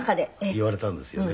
言われたんですよね。